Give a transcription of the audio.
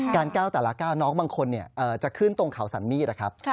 ก้าวแต่ละก้าวน้องบางคนจะขึ้นตรงเขาสันมีดนะครับ